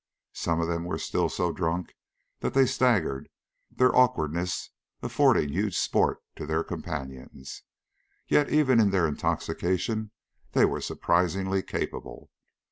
Some of them were still so drunk that they staggered, their awkwardness affording huge sport to their companions, yet even in their intoxication they were surprisingly capable.